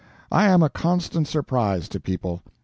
I am a constant surprise to people.